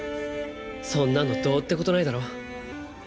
そんなのどうってことないだろう。